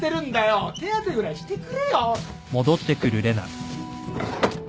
手当てぐらいしてくれよ。